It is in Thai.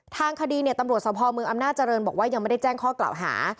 ทางคดีเนี่ยตำรวจสภเมืองอำนาจเจริญบอกว่ายังไม่ได้แจ้งข้อกล่าวหา